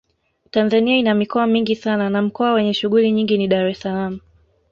Tanzania ina mikoa mingi sana na mkoa wenye shughuli nyingi ni Dar es salaam